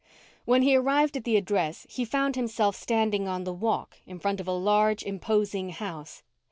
When he arrived at the address, he found himself standing on the walk in front of a large, imposing house.